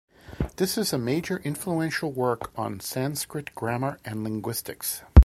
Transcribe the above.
This is a major influential work on Sanskrit grammar and linguistics.